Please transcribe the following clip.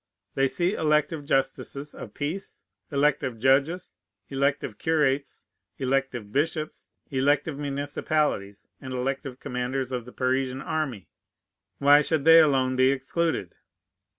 They see elective justices of peace, elective judges, elective curates, elective bishops, elective municipalities, and elective commanders of the Parisian army. Why should they alone be excluded?